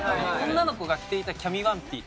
女の子が着ていたキャミワンピ